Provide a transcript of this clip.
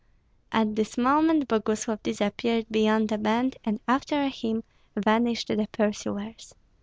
At this moment Boguslav disappeared beyond the bend, and after him vanished the pursuers.